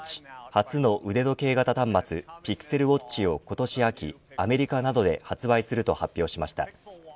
初の腕時計型端末ピクセルウオッチを今年秋アメリカなどで発売すると発表しました。